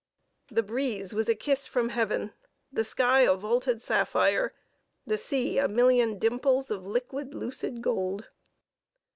The breeze was a kiss from Heaven, the sky a vaulted sapphire, the sea a million dimples of liquid, lucid, gold....